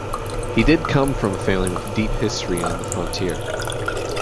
He did come from a family with deep history on the frontier.